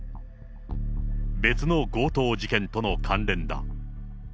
別の強盗事件との関連だ。